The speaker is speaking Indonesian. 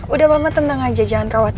udah mama tenang aja jangan khawatir